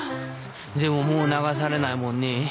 でももう流されないもんね。